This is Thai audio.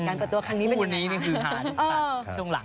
การเปิดตัวครั้งนี้เป็นอย่างงั้น